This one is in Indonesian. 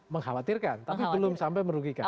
mengkhawatirkan tapi belum sampai merugikan